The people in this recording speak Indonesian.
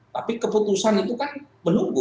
tapi keputusan itu kan menunggu